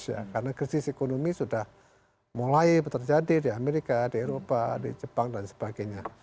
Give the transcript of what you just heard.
karena krisis ekonomi sudah mulai terjadi di amerika di eropa di jepang dan sebagainya